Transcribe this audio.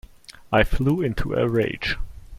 I flew into a rage.